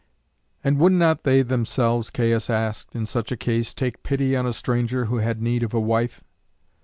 And would not they themselves, Caius asked, in such a case, take pity on a stranger who had need of a wife?